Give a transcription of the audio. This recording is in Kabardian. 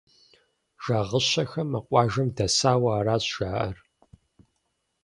Жагъыщэхэ мы къуажэм дэсауэ аращ жаӀэр.